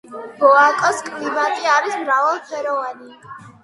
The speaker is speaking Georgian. ბოაკოს კლიმატი არის მრავალფეროვანი.